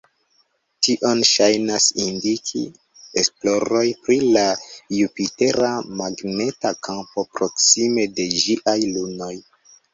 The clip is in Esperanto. Tion ŝajnas indiki esploroj pri la Jupitera magneta kampo proksime de ĝiaj lunoj.